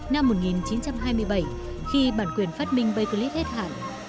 năm một nghìn chín trăm hai mươi bảy khi bản quyền phát minh bakelite hết hạn